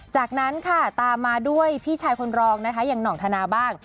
จากนั้นค่ะตามมาด้วยพี่ชายคนรองนะคะอย่างห่องธนาบ้าง